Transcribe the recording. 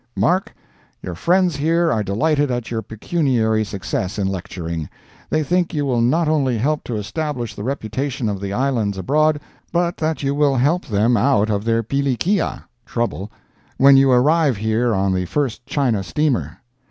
Mark, your friends here are delighted at your pecuniary success in lecturing. They think you will not only help to establish the reputation of the Islands abroad, but that you will help them out of their pilikia (trouble) when you arrive here on the first China steamer.